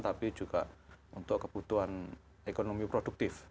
tapi juga untuk kebutuhan ekonomi produktif